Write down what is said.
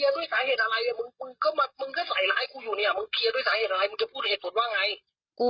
มึงให้กูเป็นข่าวดุ่งดังทั่วอำเภอหรอ